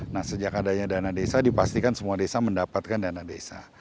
nah sejak adanya dana desa dipastikan semua desa mendapatkan dana desa